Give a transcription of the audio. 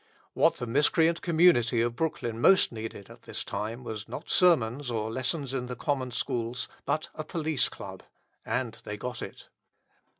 What the miscreant community of Brooklyn most needed at this time was not sermons or lessons in the common schools, but a police club and they got it.